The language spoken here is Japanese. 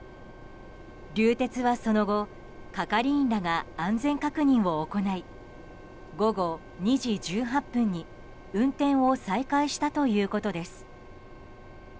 流鉄はその後、係員らが安全確認を行い午後２時１８分に運転を再開したということです。